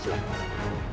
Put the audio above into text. sampai jumpa lagi